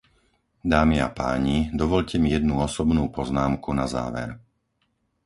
Dámy a páni, dovoľte mi jednu osobnú poznámku na záver.